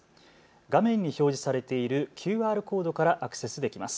画面に表示されているＱＲコードからアクセスできます。